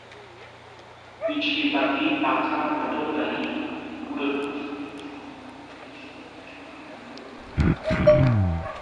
বিজলি বাতি, পাখা, মোটরগাড়ি, উড়োজাহাজ, হিটার, চুল্লি ইত্যাদি সকল কিছুই বিজ্ঞানের উন্নতির কারণে।